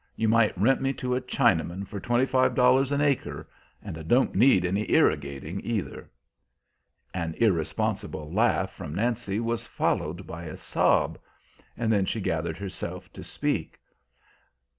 You might rent me to a Chinaman for twenty five dollars an acre; and I don't need any irrigating either." An irresponsible laugh from Nancy was followed by a sob. Then she gathered herself to speak.